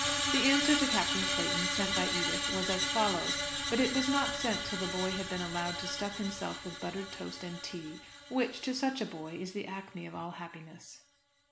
The answer to Captain Clayton, sent by Edith, was as follows; but it was not sent till the boy had been allowed to stuff himself with buttered toast and tea, which, to such a boy, is the acme of all happiness.